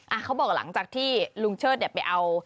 เขาบอกหลังจากที่ลุงเชิดเนี่ยไปเอา